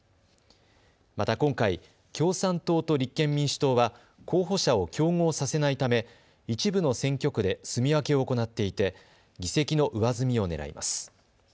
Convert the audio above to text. また今回、共産党と立憲民主党は候補者を競合させないため一部の選挙区ですみ分けを行っていて議席の上積みを狙います。